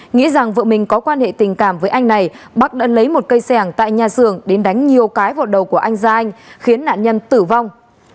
nghĩ rằng vợ mình có quan hệ tình cảm với anh này bắc đã lấy một cây sẻng tại nhà xưởng đến đánh nhiều cái vào đầu của anh gia anh khiến nạn nhân tử vong